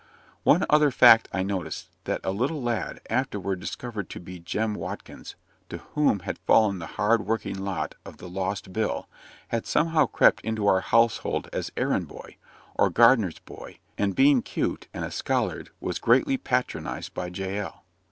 One other fact I noticed: that a little lad, afterward discovered to be Jem Watkins, to whom had fallen the hard working lot of the lost Bill, had somehow crept into our household as errand boy, or gardener's boy; and being "cute," and a "scholard," was greatly patronized by Jael.